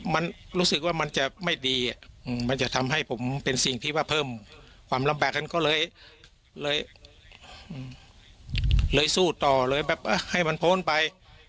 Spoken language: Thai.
มันรู้สึกว่ามันจะไม่ดีมันจะทำให้ผมเป็นสิ่งที่ว่าเพิ่มความลำบากกันก็เลยสู้ต่อเลยแบบให้มันพ้นไป